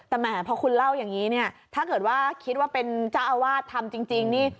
แต่แหมพอคุณเล่าอย่างนี้เนี่ยถ้าเกิดว่าคิดว่าเป็นเจ้าอาวาสทำจริงนี่